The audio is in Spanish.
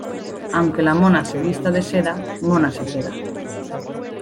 Aunque la mona se vista de seda, mona se queda.